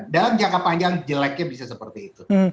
dan dalam jangka panjang jeleknya bisa seperti itu